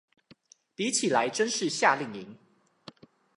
比起來真是夏令營